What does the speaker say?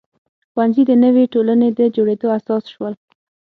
ښوونځي د نوې ټولنې د جوړېدو اساس شول.